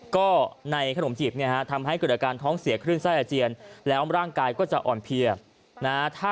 ก็ในขนมจีบทำให้เกิดการท้องเสียขึ้นไส้อาเจียน